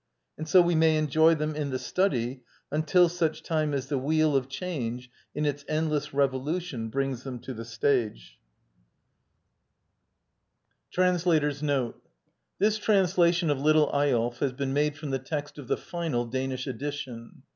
And so we may enjoy them in the study until such time as the wheel of change, in its endless revolution, brings them to the stage. xxi d by Google Digitized by VjOOQIC TRANSLATOR'S NOTE This translation of " Little Eyolf " has been made from the text of the final Danish edition.